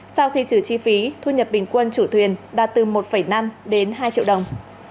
sau khi trừ chi phí thu nhập bình quân chủ thuyền đạt từ một năm đến hai triệu đồng